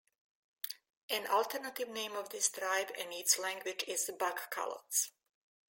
An alternative name of this tribe and its language is "Bugkalots".